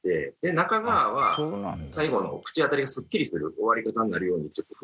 中側は最後の口当たりがすっきりする終わり方になるようにちょっと工夫があるので。